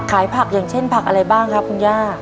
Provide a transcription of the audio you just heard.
ขายผักอย่างเช่นผักอะไรบ้างครับคุณย่า